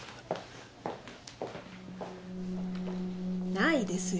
ないですよ。